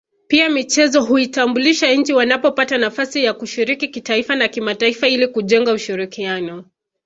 Pia michezo huitambulisha nchi wanapopata nafasi ya kushiriki kitaifa na kimataifa ili kujenga ushirikiano